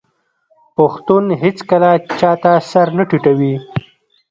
پښتون هیڅکله چا ته سر نه ټیټوي.